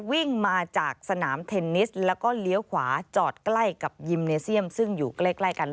วิ่งมาจากสนามเทนนิสแล้วก็เลี้ยวขวาจอดใกล้กับยิมเนเซียมซึ่งอยู่ใกล้กัน